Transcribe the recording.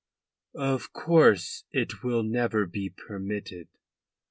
"Of course it will never be permitted.